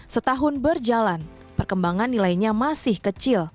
setahun berjalan perkembangan nilainya masih kecil